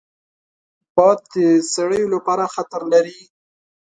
باد د څړیو لپاره خطر لري